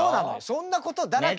そんなことだらけです。